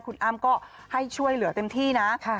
คุณอ้ำก็ให้ช่วยเหลือเต็มที่นะ